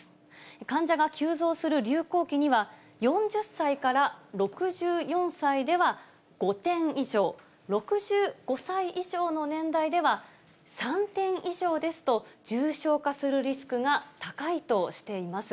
患者が急増する流行期には、４０歳から６４歳では５点以上、６５歳以上の年代では、３点以上ですと、重症化するリスクが高いとしています。